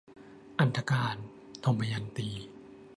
อันธการ - ทมยันตี